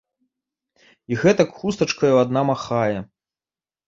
І гэтак хустачкаю адна махае.